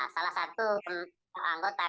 salah satu anggota kpu ri